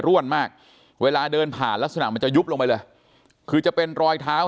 ร่วนมากเวลาเดินผ่านลักษณะมันจะยุบลงไปเลยคือจะเป็นรอยเท้า